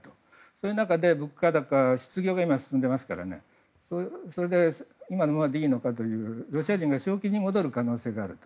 そういう中で物価高失業が今進んでいますから今のままでいいのかとロシア人が正気に戻る可能性がある。